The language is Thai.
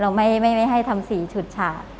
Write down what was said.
เราไม่ให้ทำสีฉุดฉาก